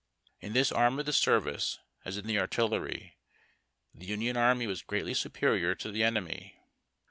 In this arm of the service, as in the artillery, the Union army was greatl}^ superior to the enemy.